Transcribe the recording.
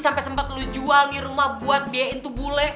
sampe sempet lo jual nih rumah buat biayain tuh bule